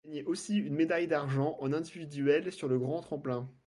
Il a gagné aussi une médaille d'argent en individuel sur le grand tremplin.